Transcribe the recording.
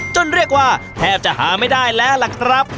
เรียกว่าแทบจะหาไม่ได้แล้วล่ะครับ